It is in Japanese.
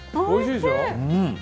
おいしいでしょ。